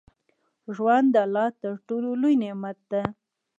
ژوند د الله تر ټولو لوى نعمت ديه.